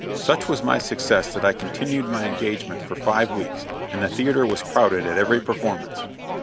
Such was my success that I continued my engagement for five weeks, and the theatre was crowded at every performance.